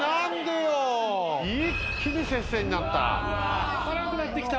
一気に接戦になった。